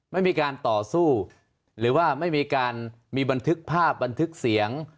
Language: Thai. ไม่มีการต่อสู้หรือว่าไม่มีการมีบันทึกภาพบันทึกเสียง